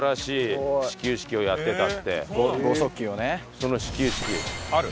その始球式ある？